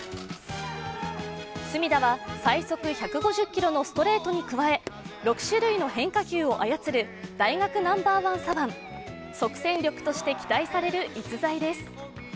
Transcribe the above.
隅田は最速１５０キロのストレートに加え６種類の変化球を操る大学ナンバーワン左腕即戦力として期待される逸材です。